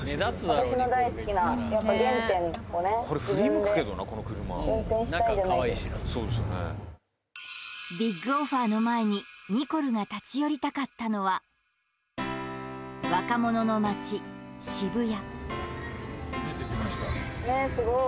私の大好きなＢＩＧオファーの前にニコルが立ち寄りたかったのは若者の街渋谷